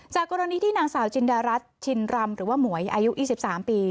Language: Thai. กรณีที่นางสาวจินดารัฐชินรำหรือว่าหมวยอายุ๒๓ปี